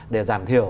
để giảm thiểu